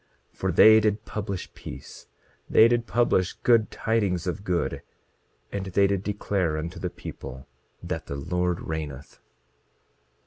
For they did publish peace; they did publish good tidings of good; and they did declare unto the people that the Lord reigneth.